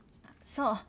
そう。